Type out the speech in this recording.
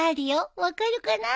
分かるかな？